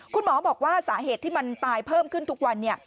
คุณหมอบอกว่าสาเหตุที่มันตายเพิ่มขึ้นทุกวัน